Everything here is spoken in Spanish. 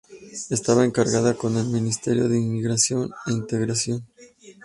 Estaba encargada con el ministerio de Inmigración e Integración.